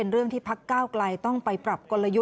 คุณสิริกัญญาบอกว่าตอนนี้ได้ครบแล้ว